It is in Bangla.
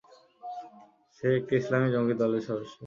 সে একটি ইসলামী জঙ্গী দলের সদস্য।